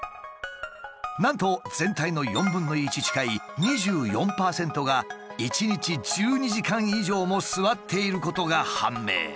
なんと全体の４分の１近い２４％が１日１２時間以上も座っていることが判明。